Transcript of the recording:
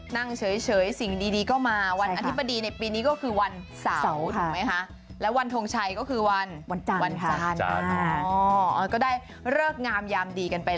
นั่งเฉยสิ่งดีก็มา